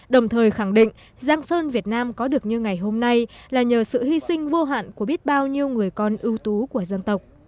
đồng thời khẳng định giang sơn việt nam có được như ngày hôm nay là nhờ sự hy sinh vô hạn của biết bao nhiêu người con ưu tú của dân tộc